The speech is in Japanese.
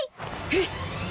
えっ！